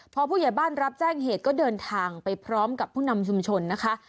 พอผู้ใหญ่บ้านรับแจ้งเหตุก็เดินทางไปพร้อมกับผู้นำชุมชนนะคะ